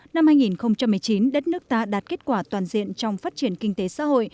năm hai nghìn một mươi chín đất nước ta đạt kết quả toàn diện trong phát triển kinh tế xã hội